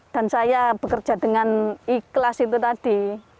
dan saya bekerja dengan ikhlas itu tadi